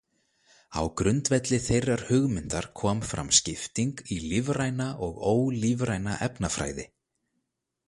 Á grundvelli þeirrar hugmyndar kom fram skipting í lífræna og ólífræna efnafræði.